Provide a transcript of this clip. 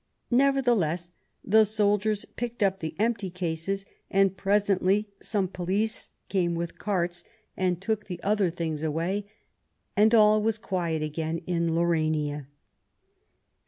Nevertheless the soldiers picked up the empty cases, and presently some police came with carts and took the other things away, and all was quiet again in Laurania.